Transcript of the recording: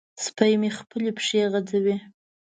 سپی مې خپلې پښې غځوي.